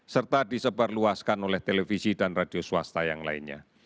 serta disebarluaskan oleh televisi dan radio swasta yang lainnya